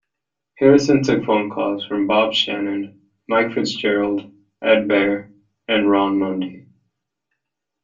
Harrison took phone calls from Bob Shannon, Mike Fitzgerald, Ed Baer, and Ron Lundy.